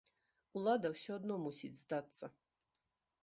Улада ўсё адно мусіць здацца!